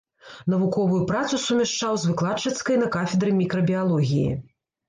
Навуковую працу сумяшчаў з выкладчыцкай на кафедры мікрабіялогіі.